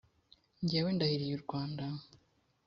jyewe ndahiriye u rwanda